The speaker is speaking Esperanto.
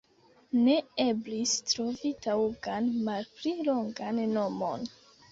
Ne eblis trovi taŭgan malpli longan nomon.